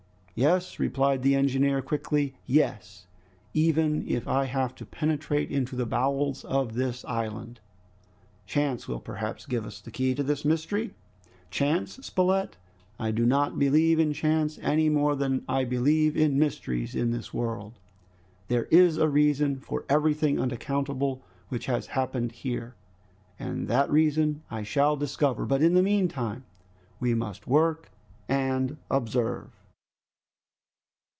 "Yes!" replied the engineer quickly, "yes, even if I have to penetrate into the bowels of this island!" "Chance will perhaps give us the key to this mystery!" "Chance! Spilett! I do not believe in chance, any more than I believe in mysteries in this world. There is a reason for everything unaccountable which has happened here, and that reason I shall discover. But in the meantime we must work and observe."